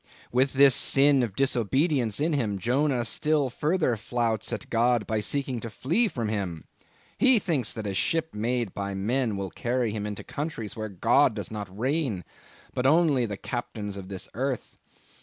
"With this sin of disobedience in him, Jonah still further flouts at God, by seeking to flee from Him. He thinks that a ship made by men will carry him into countries where God does not reign, but only the Captains of this earth.